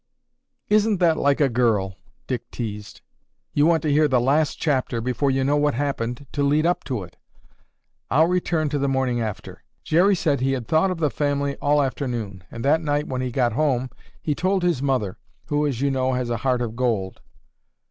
"Isn't that like a girl?" Dick teased. "You want to hear the last chapter, before you know what happened to lead up to it. I'll return to the morning after. Jerry said he had thought of the family all the afternoon, and that night when he got home, he told his mother, who, as you know, has a heart of gold."